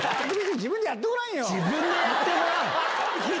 自分でやってごらん？